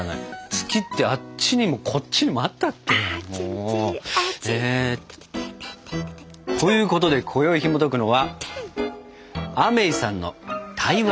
月ってあっちにもこっちにもあったっけ？ということでこよいひもとくのは「アメイさんの台湾カステラ」。